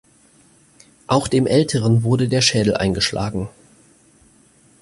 Auch dem Älteren wurde der Schädel eingeschlagen.